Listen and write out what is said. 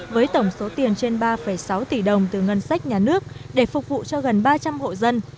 với tổng số tiền trên ba sáu tỷ đồng từ ngân sách nhà nước để phục vụ cho gần ba trăm linh hộ dân